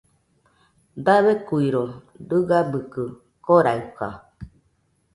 Dabeikuiro dɨgabɨkɨ koraɨka